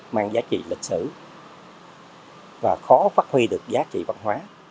mang giá trị lịch sử và khó phát huy được giá trị văn hóa